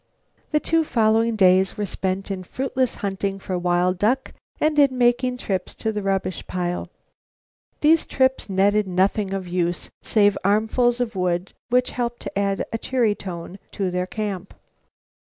The two following days were spent in fruitless hunting for wild duck and in making trips to the rubbish pile. These trips netted nothing of use save armfuls of wood which helped to add a cheery tone to their camp.